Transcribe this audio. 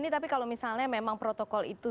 tapi kalau misalnya memang protokol itu